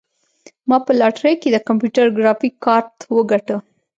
ما په لاټرۍ کې د کمپیوټر ګرافیک کارت وګاټه.